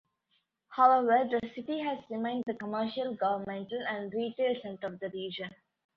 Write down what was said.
However, the city has remained the commercial, governmental, and retail center of the region.